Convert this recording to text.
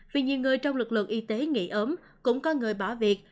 vì nhiều người trong lực lượng y tế nghỉ ốm cũng có người bỏ việc